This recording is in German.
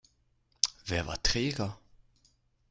Wer war träger?